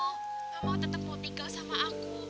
kamu tetap mau tinggal sama aku